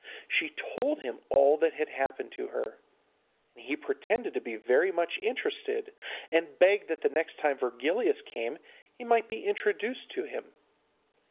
She told him all that had happened to her, and he pretended to be very much interested, and begged that the next time Virgilius came he might be introduced to him.